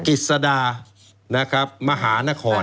กฤษดานะครับมหานคร